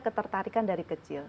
ketertarikan dari kecil